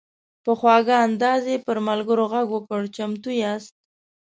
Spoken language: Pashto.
په خواږه انداز یې پر ملګرو غږ وکړ: "چمتو یاست؟"